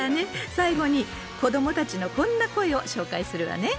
最後に子どもたちのこんな声を紹介するわね。